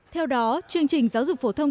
theo đó chương trình giáo dục phổ thông